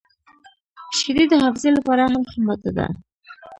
• شیدې د حافظې لپاره هم ښه ماده ده.